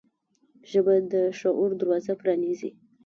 ژبه د شعور دروازه پرانیزي